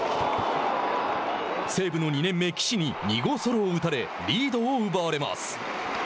西武の２年目岸に２号ソロを打たれリードを奪われます。